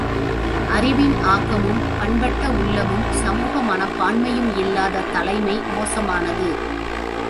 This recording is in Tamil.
அறிவின் ஆக்கமும் பண்பட்ட உள்ளமும் சமூக மனப்பான்மையும் இல்லாத தலைமை மோசமானது.